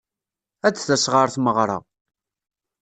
Ad d-tas ɣer tmeɣra.